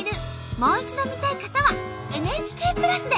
もう一度見たい方はＮＨＫプラスで。